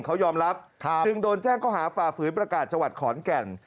เขายอมรับจึงโดนแจ้งข้อหาฝ่าฝืนประกาศจังหวัดขอนแก่น